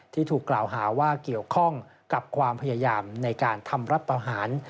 ที่ถูกกล่าวหาว่าเกี่ยวข้องกับความพยายามในการทำรัฐประหาร